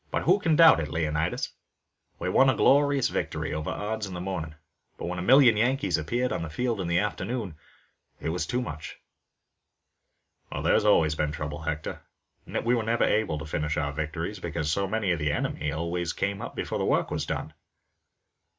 "Who can doubt it, Leonidas? We won a glorious victory over odds in the morning, but when a million Yankees appeared on the field in the afternoon it was too much." "That's always the trouble, Hector. We are never able to finish our victories, because so many of the enemy always come up before the work is done."